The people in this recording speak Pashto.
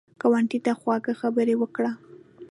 ګاونډي ته خواږه خبرې وکړه